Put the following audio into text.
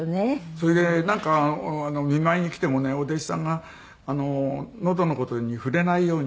それでなんか見舞いに来てもねお弟子さんがのどの事に触れないようにしてくれて。